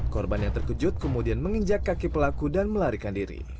korban yang terkejut kemudian menginjak kaki pelaku dan melarikan diri